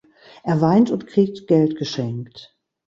Er weint und kriegt Geld geschenkt.